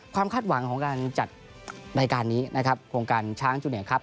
คาดหวังของการจัดรายการนี้นะครับโครงการช้างจูเนียครับ